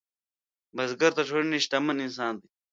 بزګر د ټولنې شتمن انسان دی